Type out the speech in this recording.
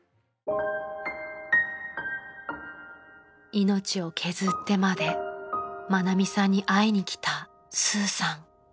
［命を削ってまで愛美さんに会いに来たスーさん］